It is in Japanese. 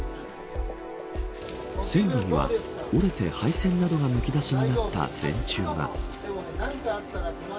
線路には、折れて配線などがむき出しになった電柱が。